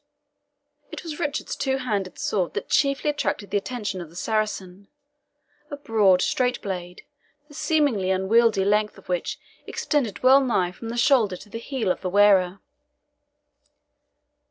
It was Richard's two handed sword that chiefly attracted the attention of the Saracen a broad, straight blade, the seemingly unwieldy length of which extended well nigh from the shoulder to the heel of the wearer.